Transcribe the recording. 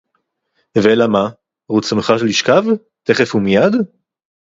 ואלא מה? רצונך לשכב? תכף ומיד?